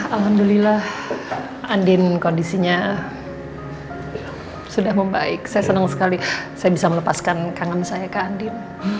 alhamdulillah andin kondisinya sudah membaik saya senang sekali saya bisa melepaskan kangen saya ke andin